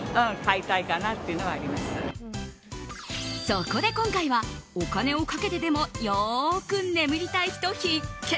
そこで、今回はお金をかけてでもよく眠りたい人必見。